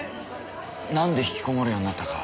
なんで引きこもるようになったか